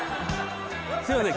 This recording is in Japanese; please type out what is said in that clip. すいません